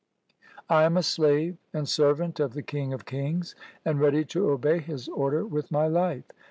' I am a slave and servant of the King of kings, and ready to obey His order with my life.